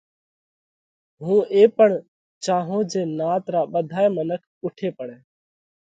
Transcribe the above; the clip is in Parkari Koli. هُون اي پڻ چاهونھ جي نات را ٻڌائي منک اُوٺي پڙئہ